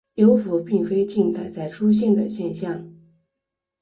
幽浮并非近代才出现的现象。